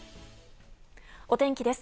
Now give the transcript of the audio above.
お天気です。